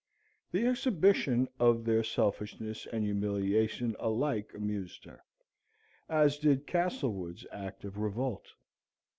The exhibition of their selfishness and humiliation alike amused her, as did Castlewood's act of revolt.